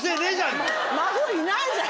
孫いないじゃん。